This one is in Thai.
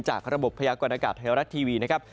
จากระบบพยากรณากาศไทยรัฐทีวีนะครับ